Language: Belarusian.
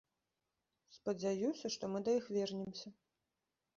Спадзяюся, што мы да іх вернемся.